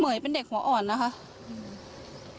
เหมือเป็นเด็กหัวอ่อนนะครับ